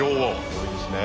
多いですね。